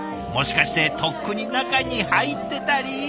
もしかしてとっくに中に入ってたり？